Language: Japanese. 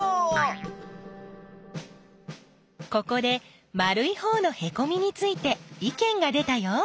ここで丸いほうのへこみについていけんが出たよ。